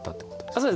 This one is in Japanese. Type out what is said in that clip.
そうです。